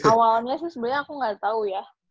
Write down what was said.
awalnya sih sebenernya aku gak tau ya